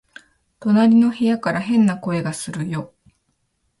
隣の部屋から変な音がするよ